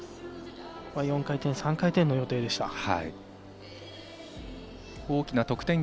４回転、３回転の予定でした。